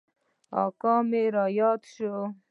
اکا مې راياد سو.